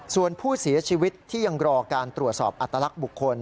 ส่วนผู้เสียชีวิตที่ยังรอการตรวจสอบอัตลักษณ์บุคคล